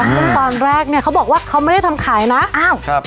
ซึ่งตอนแรกเนี่ยเขาบอกว่าเขาไม่ได้ทำขายนะอ้าวครับ